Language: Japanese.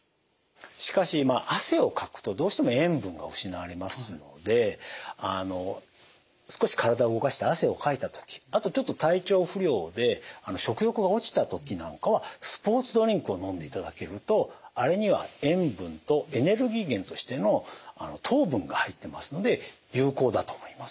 しかし汗をかくとどうしても塩分が失われますので少し体を動かして汗をかいた時あとちょっと体調不良で食欲が落ちた時なんかはスポーツドリンクを飲んでいただけるとあれには塩分とエネルギー源としての糖分が入ってますので有効だと思います。